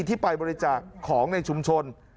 ที่ไปบริจาคของในชุมชน